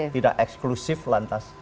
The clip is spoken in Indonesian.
tidak eksklusif lantas